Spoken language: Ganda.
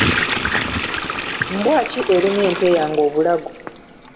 Mbwa ki erumye ente eyange obulago?